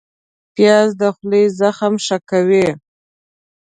پیاز د خولې زخم ښه کوي